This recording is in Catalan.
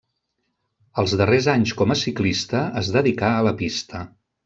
Els darrers anys com a ciclista es dedicà a la pista.